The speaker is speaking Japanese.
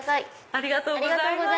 ありがとうございます。